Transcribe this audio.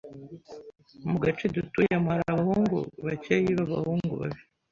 Mu gace dutuyemo, hari abahungu bakeyi b'abahungu babi.